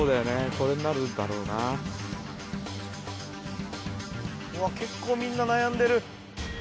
これになるだろうな結構みんな悩んでる・